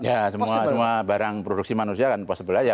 ya semua barang produksi manusia kan possible aja